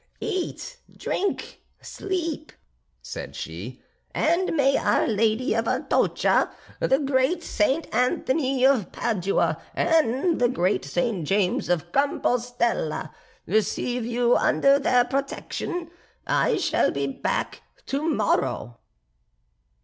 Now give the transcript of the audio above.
"Eat, drink, sleep," said she, "and may our lady of Atocha, the great St. Anthony of Padua, and the great St. James of Compostella, receive you under their protection. I shall be back to morrow."